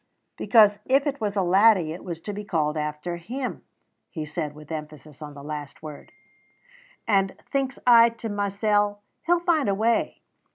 "Because if it was a laddie it was to be called after Him," he said, with emphasis on the last word; "and thinks I to mysel', 'He'll find a way.'